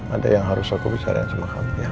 ada yang harus aku bisarkan sama kamu ya